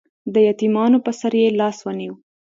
د یتیمانو په سر یې لاس ونیو.